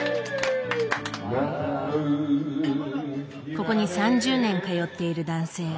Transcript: ここに３０年通っている男性。